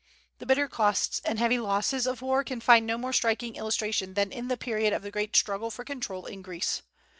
The bitter costs and heavy losses of war can find no more striking illustration than in the period of the great struggle for control in Greece.